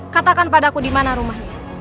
katakan padaku dimana rumahnya